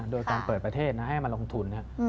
โดยการเปิดประเทศให้มาลงทุน